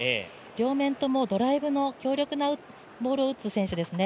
両面ともドライブの強力なボールを打つ選手ですね。